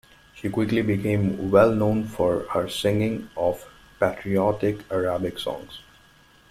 She quickly became well known for her singing of patriotic Arabic songs.